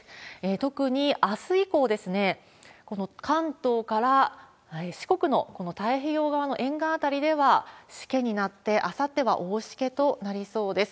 特にあす以降、この関東から四国のこの太平洋側の沿岸辺りではしけになって、あさっては大しけとなりそうです。